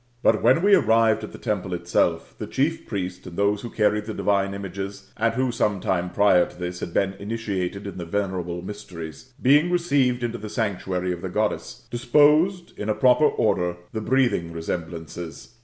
But when we arrived at the temple itself, the chief priest and those who carried the divine images, and who, some time prior to this, had been initiated in the venerable mysteries, being re ceived into the sanctuary of the Goddess, disposed in a proper order the breathing resemblances.